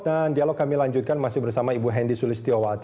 dan dialog kami lanjutkan masih bersama ibu hendy sulistiyowati